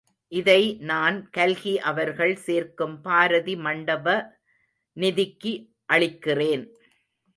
இதை நான் கல்கி அவர்கள் சேர்க்கும் பாரதி மண்டப நிதிக்கு அளிக்கிறேன்.